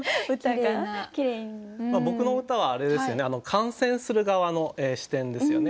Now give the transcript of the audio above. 僕の歌はあれですよね観戦する側の視点ですよね。